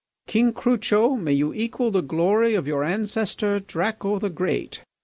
King Crucho, may you equal the glory of your ancestor Draco the Great!"